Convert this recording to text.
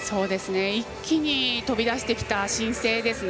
一気に飛び出してきた新星ですね。